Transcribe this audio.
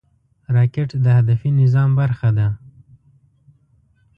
راکټ د هدفي نظام برخه ده